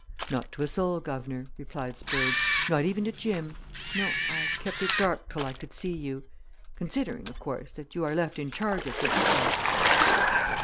"Not to a soul, guv'nor," replied Spurge. "Not even to Jim. No I kept it dark till I could see you. Considering, of course, that you are left in charge of things, like."